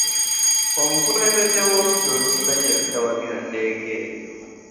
Omukulembeze w'oludda oluvuganya yali tawagira tteeka eryo.